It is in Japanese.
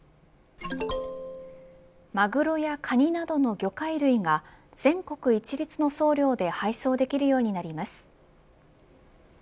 マグロやカニなどの魚介類が全国一律の送料で配送できるようになります。